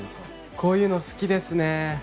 こういうの好きですね。